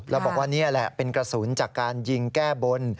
แล้วบอกว่านี่แหละเป็นกระสุนจากการยิงแก้บน